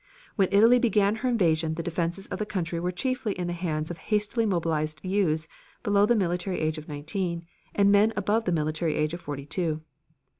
When Italy began her invasion the defenses of the country were chiefly in the hands of hastily mobilized youths below the military age of nineteen, and men above the military age of forty two.